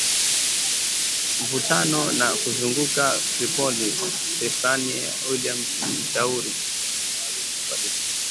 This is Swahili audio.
mvutano ndani na kuzunguka Tripoli, Stephanie Williams mshauri maalum kwa Libya